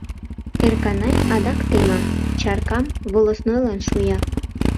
Эрканай адак тема, чаркам волостнойлан шуя.